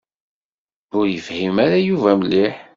Ur yefhim ara Yuba mliḥ.